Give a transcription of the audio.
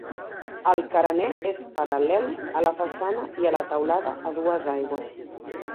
El carener és paral·lel a la façana i la teulada a dues aigües.